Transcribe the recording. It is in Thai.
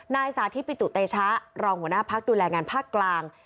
สาธิตปิตุเตชะรองหัวหน้าพักดูแลงานภาคกลาง